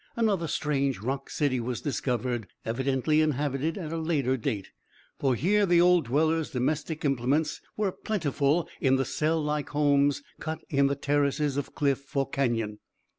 Another strange rock city was discovered, evidently inhabited at a later date, for here the old dwellers' domestic implements were plentiful in the cell like homes cut in the terraces of cliff or canon.